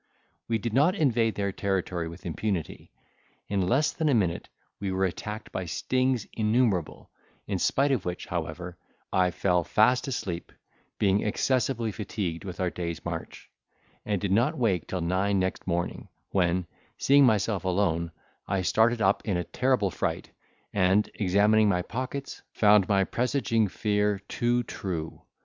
We did not invade their territory with impunity; in less than a minute we were attacked by stings innumerable, in spite of which, however, I fell fast asleep, being excessively fatigued with our day's march, and did not wake till nine next morning, when, seeing myself alone, I started up in a terrible fright, and, examining my pockets, found my presaging fear too true!